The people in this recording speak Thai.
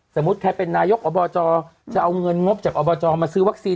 ใครเป็นนายกอบจจะเอาเงินงบจากอบจมาซื้อวัคซีน